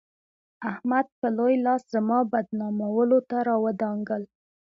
احمد به لوی لاس زما بدنامولو ته راودانګل.